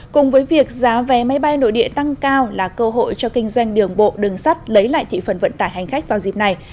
cùng với việc giá vé máy bay nội địa tăng cao là cơ hội cho kinh doanh đường bộ đường sắt lấy lại thị phần vận tải hành khách vào dịp này